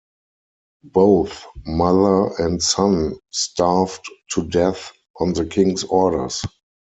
Both mother and son starved to death on the King's orders.